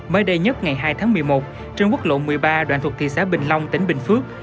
mới đây nhất ngày hai tháng một mươi một trên quốc lộ một mươi ba đoạn thuộc thị xã bình long tỉnh bình phước